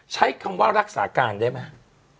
ใช้คำว่ารักษาการได้ไหม